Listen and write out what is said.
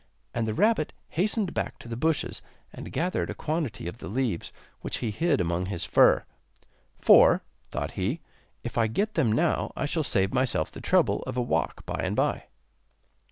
And the rabbit hastened back to the bushes, and gathered a quantity of the leaves, which he hid among his fur, 'For,' thought he, 'if I get them now I shall save myself the trouble of a walk by and by.